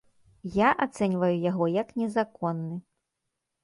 Я ацэньваю яго як незаконны.